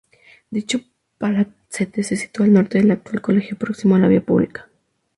Dicho palacete se sitúa al norte del actual colegio, próximo a la vía pública.